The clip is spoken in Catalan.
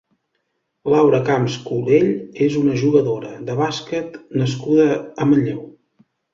Laura Camps Colell és una jugadora de bàsquet nascuda a Manlleu.